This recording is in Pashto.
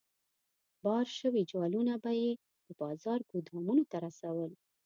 بار شوي جوالونه به یې د بازار ګودامونو ته رسول.